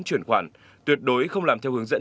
truyền khoản tuyệt đối không làm theo hướng dẫn